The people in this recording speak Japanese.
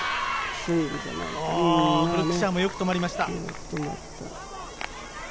ブルックシャーもよく止まりました。